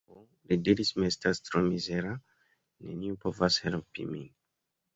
Ho, li diris, mi estas tro mizera; neniu povas helpi min.